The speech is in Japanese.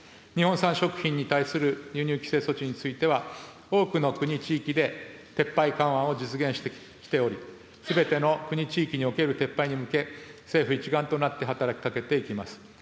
日本産食品に対する輸入規制措置については、多くの国、地域で撤廃、緩和を実現してきており、すべての国、地域における撤廃に向け、政府一丸となって働きかけていきます。